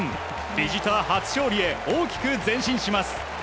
ビジター初勝利へ大きく前進します。